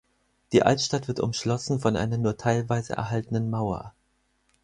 Die Altstadt wird umschlossen von einer nur teilweise erhaltenen Mauer.